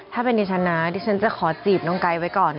ถ้าเป็นดิฉันนะดิฉันจะขอจีบน้องไกด์ไว้ก่อน